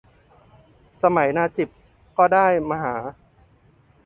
สมัยนาจิบก็ได้มหา